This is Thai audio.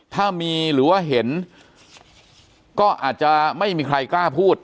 ถ้ามีหรือว่าเห็นก็อาจจะไม่มีใครกล้าพูด